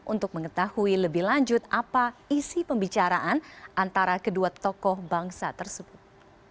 untuk mengetahui lebih lanjut apa isi pembicaraan antara kedua tokoh bangsa tersebut